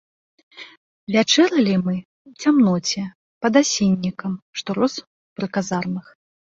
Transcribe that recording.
Вячэралі мы ў цямноце, пад асіннікам, што рос пры казармах.